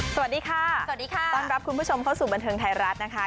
สวัสดีค่ะสวัสดีค่ะต้อนรับคุณผู้ชมเข้าสู่บันเทิงไทยรัฐนะคะ